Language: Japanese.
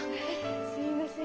すみません。